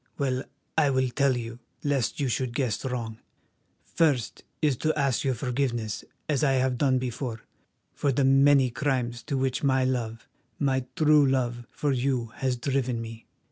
Well, I will tell you, lest you should guess wrong. First, it is to ask your forgiveness as I have done before, for the many crimes to which my love, my true love, for you has driven me.